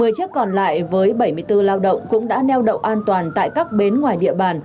một mươi chiếc còn lại với bảy mươi bốn lao động cũng đã neo đậu an toàn tại các bến ngoài địa bàn